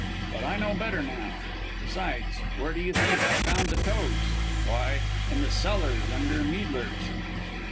But I know better now. Besides, where do you think I found the toads? Why, in the cellars under Meidlers'!"